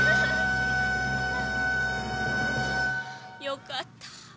よかったぁ。